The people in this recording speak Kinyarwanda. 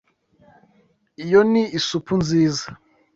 Iyo ni isupu nziza.